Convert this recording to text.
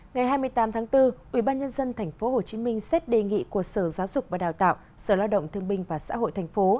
ngày hai mươi tám tháng bốn ubnd tp hcm xét đề nghị của sở giáo dục và đào tạo sở lao động thương binh và xã hội tp